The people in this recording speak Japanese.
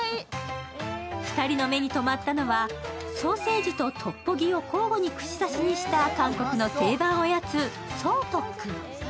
２人の目にとまったのはソーセージとトッポギを交互に串刺しにした韓国の定番おやつ、ソートック。